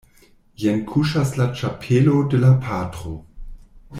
Jen kuŝas la ĉapelo de la patro.